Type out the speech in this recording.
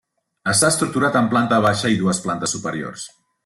Està estructurat en planta baixa i dues plantes superiors.